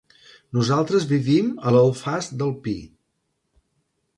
Nosaltres vivim a l'Alfàs del Pi.